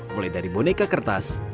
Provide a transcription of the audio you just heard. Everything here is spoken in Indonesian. mulai dari boneka kertas